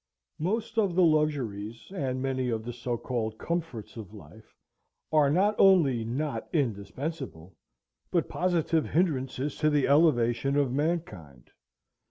Most of the luxuries, and many of the so called comforts of life, are not only not indispensable, but positive hindrances to the elevation of mankind.